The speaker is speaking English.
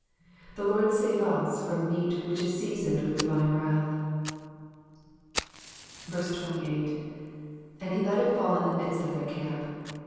The Lord save us from meat which is seasoned with divine wrath. 28. ''^ And he let it faUin the midst of their camp.'